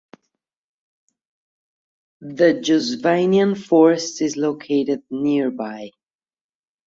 The Josvainiai Forest is located nearby.